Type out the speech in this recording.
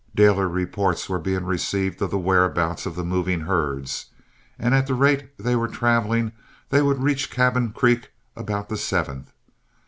Daily reports were being received of the whereabouts of the moving herds, and at the rate they were traveling, they would reach Cabin Creek about the 7th.